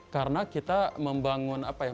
karena kita membangun apa ya